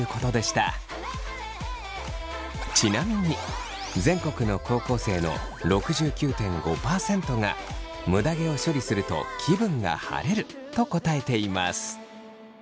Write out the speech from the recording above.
ちなみに全国の高校生の６９．５％がむだ毛を処理すると気分が晴れると答えています。